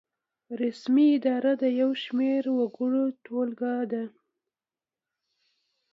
رسمي اداره د یو شمیر وګړو ټولګه ده.